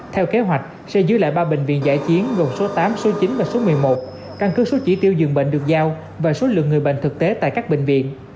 theo kế hoạch sẽ giữ lại ba bệnh viện giải chiến gồm số tám số chín và số một mươi một căn cứ số chỉ tiêu giường bệnh được giao và số lượng người bệnh thực tế tại các bệnh viện